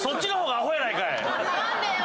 何でよ